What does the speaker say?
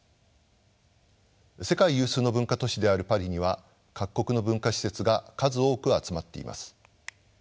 世界有数の文化都市であるパリには各国の文化施設が数多く集まっています。